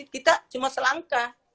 kita cuma selangkah